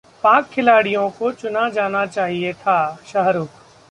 पाक खिलाड़ियों को चुना जाना चाहिए थाः शाहरुख